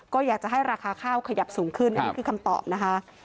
ก็อยากจะให้ราคาข้าวขยับสูงขึ้นอันนี้คือคำตอบนะคะ